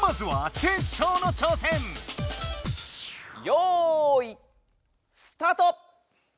よいスタート！